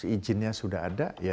izinnya sudah ada ya